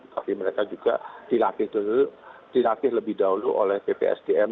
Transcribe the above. tapi mereka juga dilatih dulu dilatih lebih dahulu oleh bpsdr